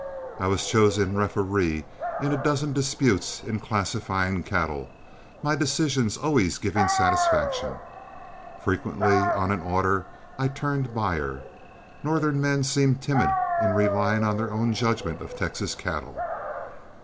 I was chosen referee in a dozen disputes in classifying cattle, my decisions always giving satisfaction. Frequently, on an order, I turned buyer. Northern men seemed timid in relying on their own judgment of Texas cattle.